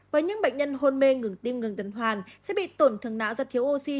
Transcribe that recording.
và những bệnh nhân hôn mê ngừng tim ngừng tuần hoàn sẽ bị tuần thường nã ra thiếu oxy